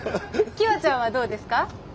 きわちゃんはどうですか？